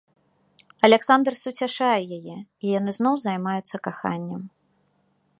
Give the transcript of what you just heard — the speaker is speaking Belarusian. Аляксандр суцяшае яе, і яны зноў займаюцца каханнем.